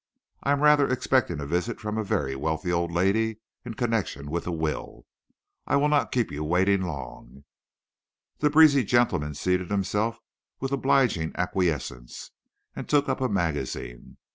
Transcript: I am rather expecting a visit from a very wealthy old lady in connection with a will. I will not keep you waiting long." The breezy gentleman seated himself with obliging acquiescence, and took up a magazine.